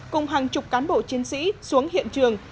cùng hàng chục cán bộ chiến sĩ xuống hiện trường